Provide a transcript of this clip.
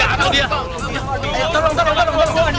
eh bawa kemari